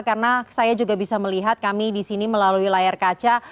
karena saya juga bisa melihat kami di sini melalui layar kaca